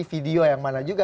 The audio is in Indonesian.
video yang mana juga